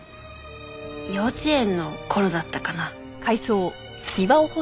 幼稚園の頃だったかな。